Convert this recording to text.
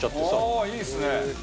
ああいいですね！